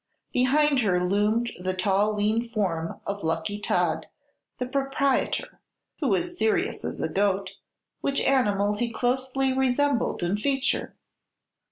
Behind her loomed the tall, lean form of Lucky Todd, the "proprietor," who was serious as a goat, which animal he closely resembled in feature.